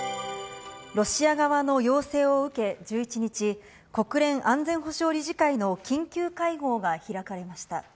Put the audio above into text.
ロシア側の要請を受け、１１日、国連安全保障理事会の緊急会合が開かれました。